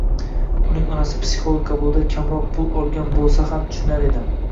Uning onasi psixolog qabulida “kamroq pul olgan bo‘lsa ham tushunar edim